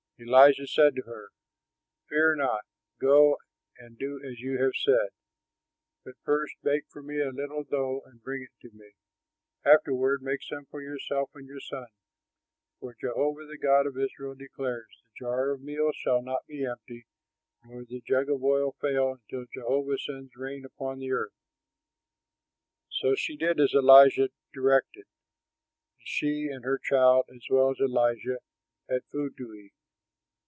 Elijah said to her, "Fear not; go and do as you have said, but first bake for me a little dough and bring it to me. Afterward make some for yourself and your son. For Jehovah the God of Israel declares: 'The jar of meal shall not be empty, nor the jug of oil fail, until Jehovah sends rain upon the earth.'" So she did as Elijah directed; and she and her child, as well as Elijah, had food to eat.